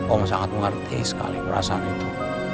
om sangat mengerti sekali perasaan itu